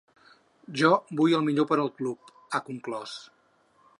Jo vull el millor per al club, ha conclòs.